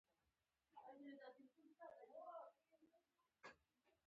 چینایي متل وایي موسکا عمر زیاتوي.